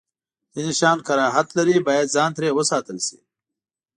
ځینې شیان کراهت لري، باید ځان ترې وساتل شی.